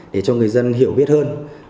để cho người dân hiểu biết hơn